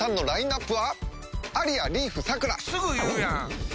すぐ言うやん！